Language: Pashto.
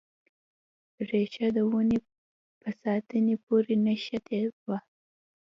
ریښه د ونې په تنې پورې نښتې وه.